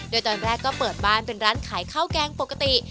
โดยตอนแรกก็เปิดบ้านเป็นร้านขายข้าวแกงปกติ